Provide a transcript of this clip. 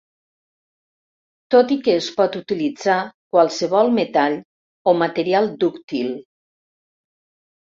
Tot i que es pot utilitzar qualsevol metall o material dúctil.